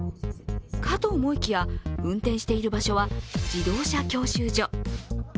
かと思いきや、運転している場所は自動車教習所。